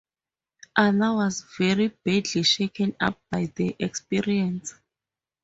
Anna was very badly shaken up by the experience.